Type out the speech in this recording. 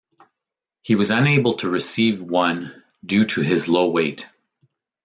He was unable to receive one due to his low weight.